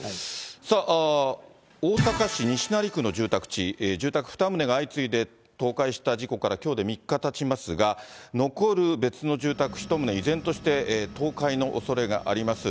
さあ、大阪市西成区の住宅地、住宅２棟が相次いで倒壊した事故から、きょうで３日たちますが、残る別の住宅１棟、依然として倒壊のおそれがあります。